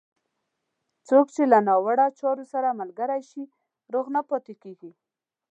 څوک چې له ناوړه چارو سره ملګری شي، روغ نه پاتېږي.